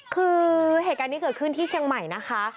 คือเหตุการณ์นี้เกิดขึ้นที่เชียงใหม่นะคะ